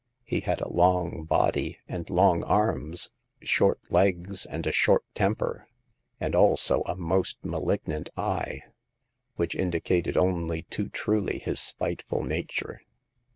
He had a long body and long arms, short legs and a short temper, and also a most malignant eye, which indicated only too truly his spiteful nature.